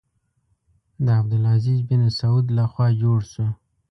د عبدالعزیز بن سعود له خوا جوړ شو.